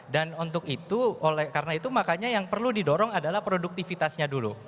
dan untuk itu karena itu makanya yang perlu didorong adalah produktivitasnya dulu